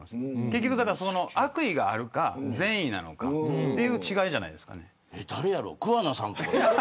結局、悪意があるか善意なのかという違いじゃないですかね。